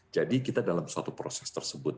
jadi kita dalam suatu proses tersebut